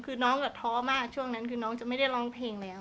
คือน้องท้อมากช่วงนั้นคือน้องจะไม่ได้ร้องเพลงแล้ว